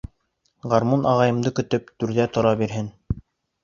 Гармун, ағайымды көтөп, түрҙә тора бирһен!